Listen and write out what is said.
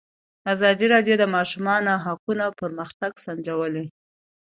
ازادي راډیو د د ماشومانو حقونه پرمختګ سنجولی.